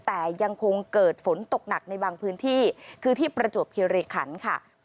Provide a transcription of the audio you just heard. แต่ยังคงเกิดฝนตกหนักในบางพื้นที่คือที่ประจวบคิริขันค่ะ